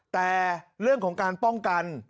แต่เรื่องของการป้องกัน